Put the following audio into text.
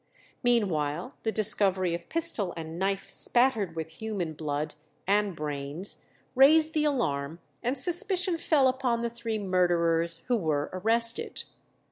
Meanwhile the discovery of pistol and knife spattered with human blood and brains raised the alarm, and suspicion fell upon the three murderers, who were arrested.